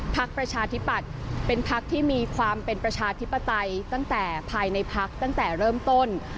ประชาธิปัตย์เป็นพักที่มีความเป็นประชาธิปไตยตั้งแต่ภายในพักตั้งแต่เริ่มต้น